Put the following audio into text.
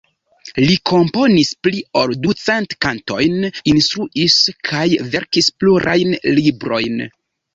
Li komponis pli ol ducent kantojn, instruis kaj verkis plurajn librojn.